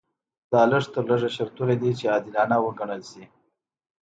دا لږ تر لږه شرطونه دي چې عادلانه وګڼل شي.